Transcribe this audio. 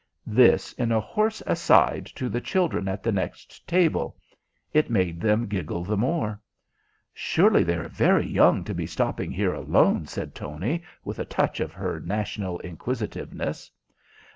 This in a hoarse aside to the children at the next table. It made them giggle the more. "Surely they are very young to be stopping here alone!" said Tony, with a touch of her national inquisitiveness.